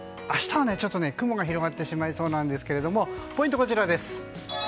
明日はちょっと雲が広がってしまいそうですがポイントはこちらです。